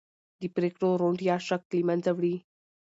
د پرېکړو روڼتیا شک له منځه وړي